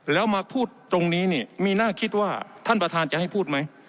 แล้วมาพูดตรงนี้เนี่ยมีน่าคิดว่าท่านประธานจะให้พูดไหม